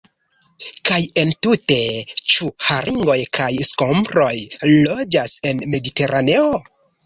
Kaj entute, ĉu haringoj kaj skombroj loĝas en Mediteraneo?